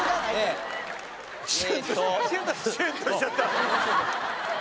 シュンとしちゃった。